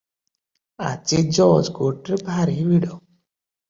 ଆଜି ଜଜ୍ କୋର୍ଟରେ ଭାରି ଭିଡ଼ ।